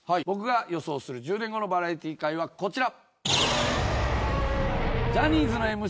僕が予想する１０年後のバラエティー界はこちら。